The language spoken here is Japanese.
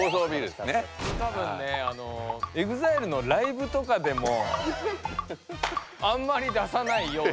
これたぶんねＥＸＩＬＥのライブとかでもあんまり出さないような。